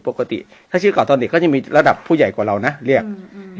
ปกติถ้าชื่อเก่าตอนเด็กก็จะมีระดับผู้ใหญ่กว่าเรานะเรียกอืม